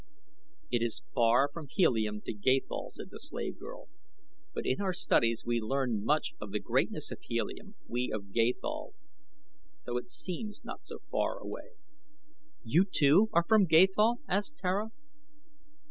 "It is far from Helium to Gathol," said the slave girl, "but in our studies we learned much of the greatness of Helium, we of Gathol, so it seems not so far away." "You, too, are from Gathol?" asked Tara.